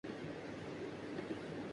وہ دوسروں پر انحصار کرنے کی ذہنیت ہے۔